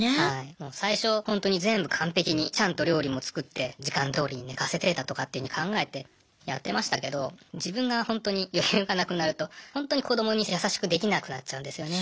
もう最初ほんとに全部完璧にちゃんと料理も作って時間どおりに寝かせてだとかっていうふうに考えてやってましたけど自分がほんとに余裕がなくなるとほんとに子どもに優しくできなくなっちゃうんですよね。